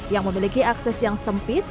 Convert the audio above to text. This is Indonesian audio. yang memiliki akses yang sempit